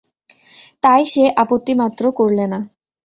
তাই সে আপত্তিমাত্র করলে না।